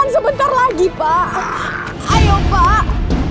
sebentar lagi pak ayo pak